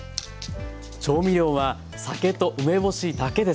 調味料は酒と梅干しだけです。